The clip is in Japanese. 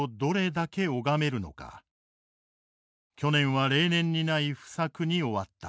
去年は例年にない不作に終わった。